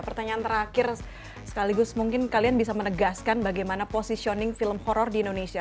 pertanyaan terakhir sekaligus mungkin kalian bisa menegaskan bagaimana positioning film horror di indonesia